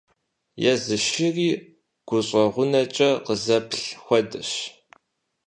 Езы шыри гущӀэгъунэкӀэ къызэплъ хуэдэщ.